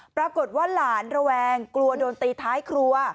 ปรากฏว่าหลานระแวงกลัวโดนตีท้ายครัว